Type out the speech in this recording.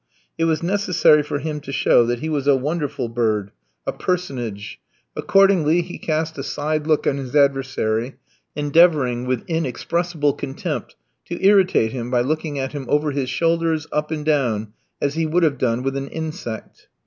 It was necessary for him to show that he was a wonderful bird, a personage. Accordingly, he cast a side look on his adversary, endeavouring, with inexpressible contempt, to irritate him by looking at him over his shoulders, up and down, as he would have done with an insect.